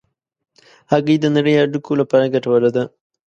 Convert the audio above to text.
هګۍ د نرۍ هډوکو لپاره ګټوره ده.